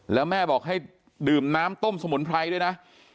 แล้วแม่บอกให้ดื่มน้ำต้มสมุนไพรด้วยนะ